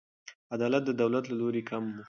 عدالت د دولت له لوري کم و.